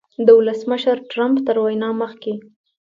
د ولسمشر ټرمپ تر وینا مخکې